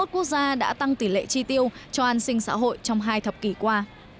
hai mươi quốc gia đã tăng tỷ lệ tri tiêu cho an sinh xã hội trong hai thập kỷ qua